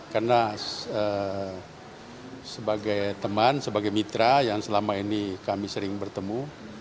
karena sebagai teman sebagai mitra yang selama ini kami sering bertemu